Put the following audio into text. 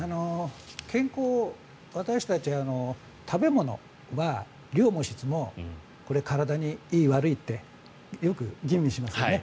健康、食べ物は量も質も体にいい悪いってよく吟味しますよね。